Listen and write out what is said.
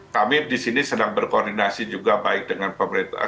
kami di sini sedang berkoordinasi juga baik dengan pemerintah